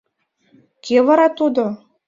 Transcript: Кӧ вара тудо?